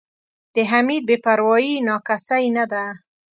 د حمید بې پروایي نا کسۍ نه ده.